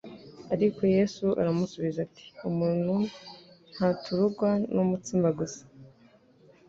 Ariko Yesu aramusubiza ati: "umuntu ntaturugwa n'umutsima gusa,